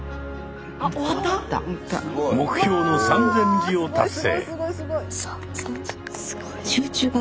目標の３，０００字を達成。